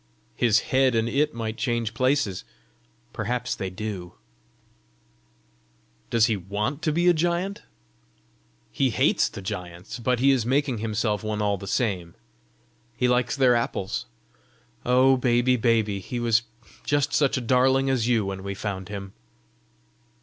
"His head and it might change places!" "Perhaps they do!" "Does he want to be a giant?" "He hates the giants, but he is making himself one all the same: he likes their apples! Oh baby, baby, he was just such a darling as you when we found him!"